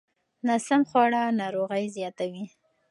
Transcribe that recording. ناسم خواړه ناروغۍ زیاتوي.